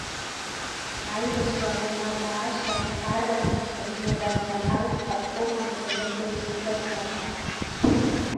Аибашьра ианалга ашьҭахь, аррахьынтә дхынҳәны данааи ауп, обком амаӡаныҟәгаҩыс даныҟарҵа.